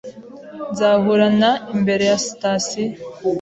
Nzahura na imbere ya sitasiyo